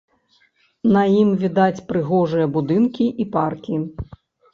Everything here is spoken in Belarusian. На ім відаць прыгожыя будынкі і паркі.